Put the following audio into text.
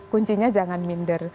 kuncinya jangan minder